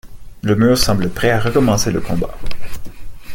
Le mur semble prêt à recommencer le combat.